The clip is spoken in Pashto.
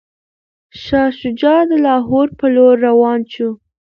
شاه شجاع د لاهور په لور روان شو.